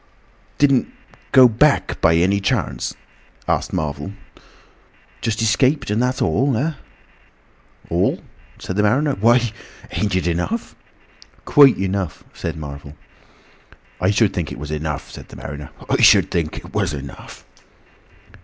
"Didn't go Back by any chance?" asked Marvel. "Just escaped and that's all, eh?" "All!" said the mariner. "Why!—ain't it enough?" "Quite enough," said Marvel. "I should think it was enough," said the mariner. "I should think it was enough."